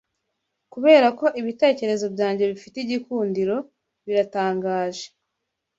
Kuberako ibitekerezo byanjye bifite igikundiro biratangaje